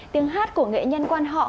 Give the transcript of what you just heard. tiếng hát của nghệ nhân quan họ